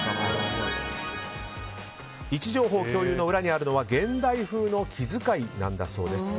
位置情報共有の裏にあるのは現代風の気遣いなんだそうです。